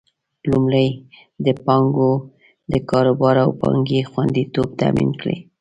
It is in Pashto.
لومړی: د پانګوالو د کاروبار او پانګې خوندیتوب تامین کړي.